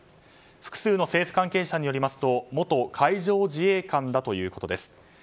複数の政府関係者によりますと元海上自衛官だということです。